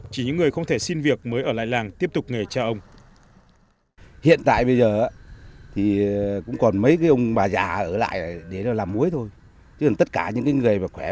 chỉ những người không thể xin việc mới ở lại làng tiếp tục nghề cha ông